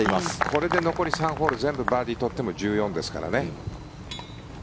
これで残り３ホール全部バーディー取っても１４ですからね。